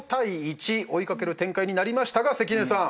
追い掛ける展開になりましたが関根さん